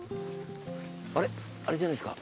あれあれじゃないですか？